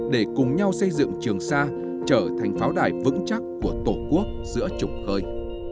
để cùng nhau xây dựng trường sa trở thành pháo đài vững chắc của tổ quốc giữa chủng khơi